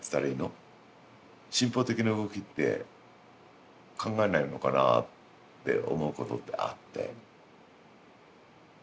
進歩的な動きって考えないのかなって思うことってあって。